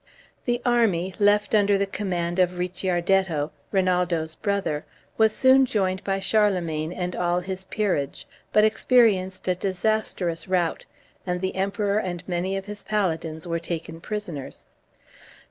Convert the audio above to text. The army, left under the command of Ricciardetto, Rinaldo's brother, was soon joined by Charlemagne and all his peerage, but experienced a disastrous rout, and the Emperor and many of his paladins were taken prisoners.